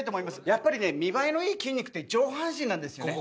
やっぱりね見栄えのいい筋肉って上半身なんですよね。